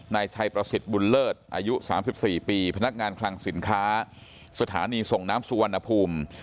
นายชัยประสิทธิ์บุญเลิศอายุ๓๔ปีพนักงานคลังสินค้าสถานีส่งน้ำสุวรรณภูมิ